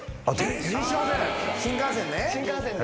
新幹線ね。